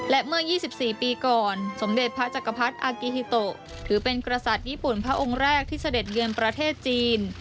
และเมื่อ๒๔ปีก่อนสมเด็จพระจักรพรรดิอากิฮิโตถือเป็นกษัตริย์ญี่ปุ่นพระองค์แรกที่เสด็จเยือนประเทศจีน